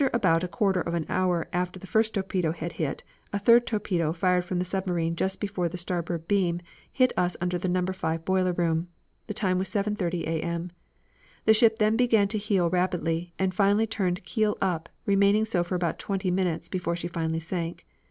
"About a quarter of an hour after the first torpedo had hit, a third torpedo fired from the submarine just before the starboard beam, hit us under the No. 5 boiler room. The time was 7.30 A. M. The ship then began to heel rapidly, and finally turned keel up remaining so for about twenty minutes before she finally sank.